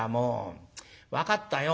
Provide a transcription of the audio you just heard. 分かったよ。